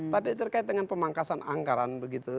tapi terkait dengan pemangkasan angkaran